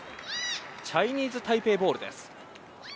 チャイニーズタイペイボールです。